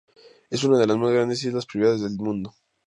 Es una de las más grandes islas privadas del mundo.